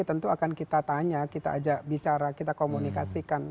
tentu akan kita tanya kita ajak bicara kita komunikasikan